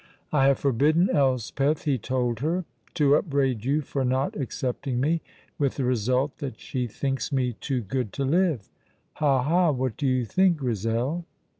"I have forbidden Elspeth," he told her, "to upbraid you for not accepting me, with the result that she thinks me too good to live! Ha, ha! what do you think, Grizel?"